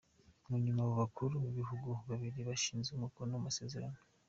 Mu nyuma abo bakuru b'ibihugu babiri bashize umukono ku masezerano.